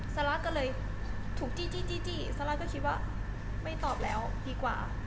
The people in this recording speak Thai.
ซาร่าก็เลยถูกจี้ซาร่าก็คิดว่าไม่ตอบแล้วดีกว่า